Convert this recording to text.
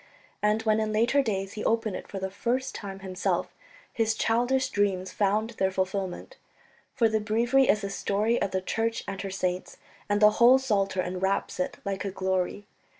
And when in later days he opened it for the first time himself his childish dreams found their fulfilment. For the Breviary is the story of the Church and her saints, and the whole Psalter enwraps it like a glory.